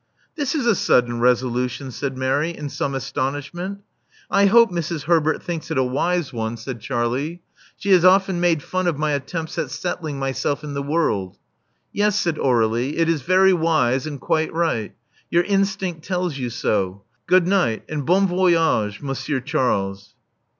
This is a sudden resolution," said Mary, in some astonishment. I hope Mrs. Herbert thinks it a wise one," said Love Among the Artists 443 Charlie. '*She has often made fun of my attempts at setthng myself in the world." Yes/' said Aur^lie, it is very wise, and quite right. Your instinct tells you so. Good night and bon voyage^ Monsieur Charles."